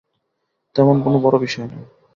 তেমন কোনো বড়ো বিষয় নয়।